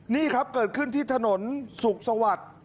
นี่ครับเกิดขึ้นที่ถนนสุขสวัสดิ์